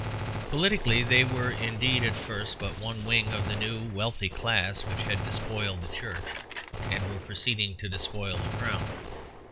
Politically, they were indeed at first but one wing of the new wealthy class which had despoiled the Church and were proceeding to despoil the Crown.